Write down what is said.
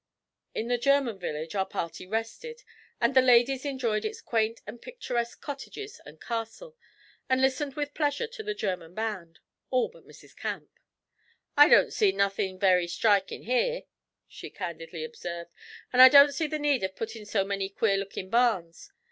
In the German Village our party rested, and the ladies enjoyed its quaint and picturesque cottages and castle, and listened with pleasure to the German band all but Mrs. Camp. 'I don't see nothin' very strikin' here,' she candidly observed, 'and I don't see the need of puttin' up so many queer lookin' barns.